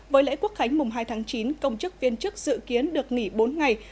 với lễ quốc khánh mùng hai tháng chín công chức viên chức dự kiến được nghỉ bốn ngày